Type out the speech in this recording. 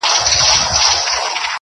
چي لري د ربابونو دوکانونه -